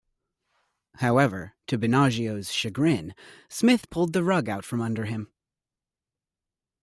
However, to Binaggio's chagrin, Smith pulled the rug out from under him.